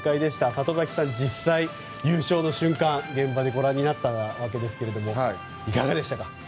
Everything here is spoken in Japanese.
里崎さん、実際に優勝の瞬間を現場でご覧になったわけですがいかがでしたか？